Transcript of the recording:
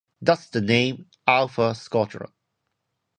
Thus the name Alpha Squadron.